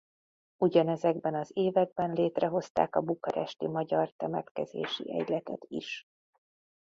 Ugyanezekben az években létrehozták a bukaresti Magyar Temetkezési Egyletet is.